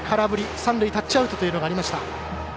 三塁タッチアウトというのがありました。